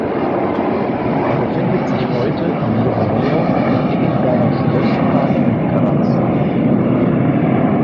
Er befindet sich heute im Joanneum im Eggenberger Schlosspark in Graz.